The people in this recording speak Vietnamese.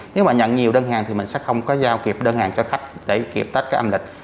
nếu mà nhận nhiều đơn hàng thì mình sẽ không có giao kịp đơn hàng cho khách để kịp tết cái âm lịch